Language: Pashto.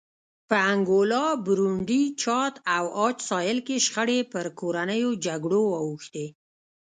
په انګولا، برونډي، چاد او عاج ساحل کې شخړې پر کورنیو جګړو واوښتې.